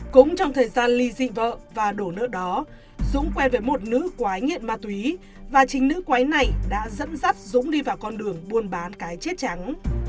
cũng trong thời gian ly dị vợ và đổ nợ đó dũng quen với một nữ quái nghiện ma túy và chính nữ quái này đã dẫn dắt dũng đi vào con đường buôn bán cái chết trắng